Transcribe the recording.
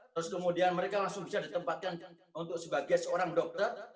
terus kemudian mereka langsung bisa ditempatkan untuk sebagai seorang dokter